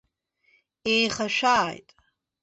Иеихашәааит!